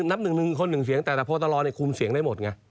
นับหนึ่งคนหนึ่งเสียงแต่แต่พอตรคุมเสียงได้หมดไง